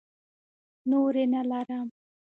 نورې نه لرم.